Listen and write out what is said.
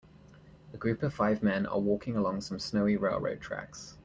A group of five men are walking along some snowy railroad tracks.